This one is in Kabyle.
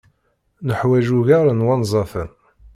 Neḥwaǧ ugar n wanzaten.